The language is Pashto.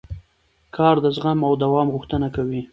کار د زغم او دوام غوښتنه کوي